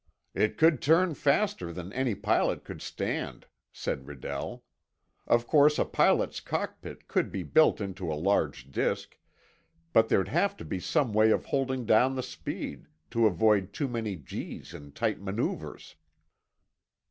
"It could turn faster than any pilot could stand," said Redell. "Of course, a pilot's cockpit could be built into a large disk; but there'd have to be some way of holding down the speed, to avoid too many G's in tight maneuvers."